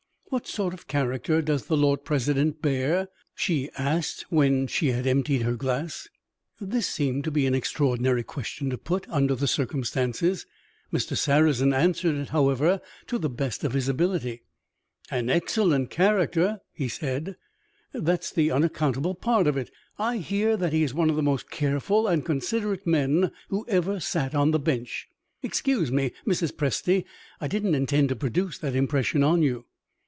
"What sort of character does the Lord President bear?" she asked when she had emptied her glass. This seemed to be an extraordinary question to put, under the circumstances. Mr. Sarrazin answered it, however, to the best of his ability. "An excellent character," he said "that's the unaccountable part of it. I hear that he is one of the most careful and considerate men who ever sat on the bench. Excuse me, Mrs. Presty, I didn't intend to produce that impression on you."